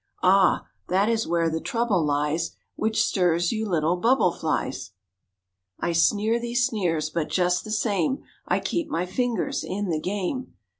Ah! that is where the trouble lies Which stirs you little bubble flies. (I sneer these sneers, but just the same I keep my fingers in the game.)